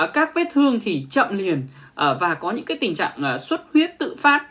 các vết thương thì chậm liền và có những tình trạng xuất huyết tự phát